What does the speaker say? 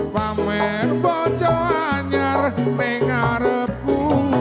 pamer bojo anjar neng arepku